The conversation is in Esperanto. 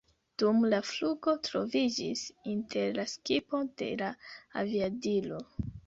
Dum la flugo troviĝis inter la skipo de la aviadilo.